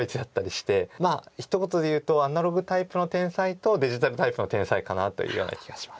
まあひと言でいうとアナログタイプの天才とデジタルタイプの天才かなというような気がします。